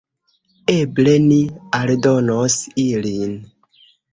Eble ni aldonos ilin.